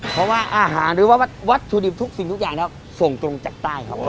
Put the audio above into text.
เพราะว่าอาหารหรือว่าวัตถุดิบทุกสิ่งทุกอย่างแล้วส่งตรงจากใต้ครับผม